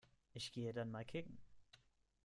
Ich gehe dann mal kicken.